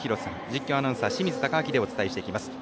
実況アナウンサーは清水敬亮でお伝えしていきます。